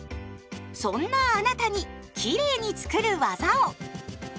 そんなあなたにきれいにつくる技を！